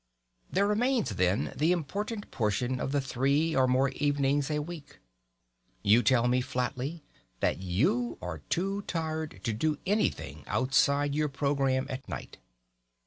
There remains, then, the important portion of the three or more evenings a week. You tell me flatly that you are too tired to do anything outside your programme at night.